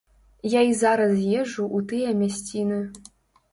Я і зараз езджу ў тыя мясціны.